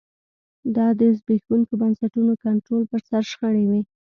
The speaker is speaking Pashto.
دا د زبېښونکو بنسټونو کنټرول پر سر شخړې وې